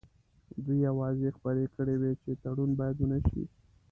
دوی اوازې خپرې کړې وې چې تړون باید ونه شي.